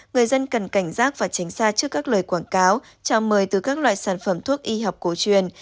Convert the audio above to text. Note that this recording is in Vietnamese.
người dân cần cảnh giác và tránh xa trước các lời quảng cáo chào mời từ các loại sản phẩm thuốc y học cổ truyền